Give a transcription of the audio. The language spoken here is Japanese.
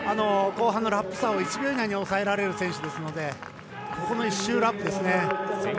後半のラップ差を１秒以内に抑えられる選手ですのでここの１周ラップですね。